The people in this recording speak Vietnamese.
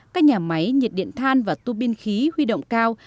các nhà máy nhiệt điện than và tu biên khí huy động cao